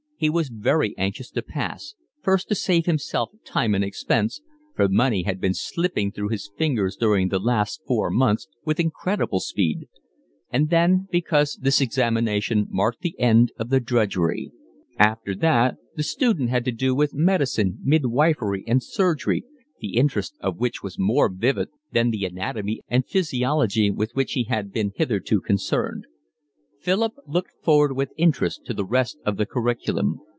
He was very anxious to pass, first to save himself time and expense, for money had been slipping through his fingers during the last four months with incredible speed; and then because this examination marked the end of the drudgery: after that the student had to do with medicine, midwifery, and surgery, the interest of which was more vivid than the anatomy and physiology with which he had been hitherto concerned. Philip looked forward with interest to the rest of the curriculum.